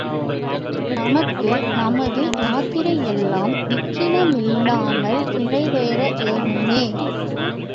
நமக்கும், நமது யாத்திரையெல்லாம் விக்கினமில்லாமல், நிறைவேற வேணுமே!